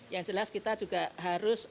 yang jelas kita juga harus